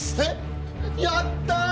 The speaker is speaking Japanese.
えっ⁉やった！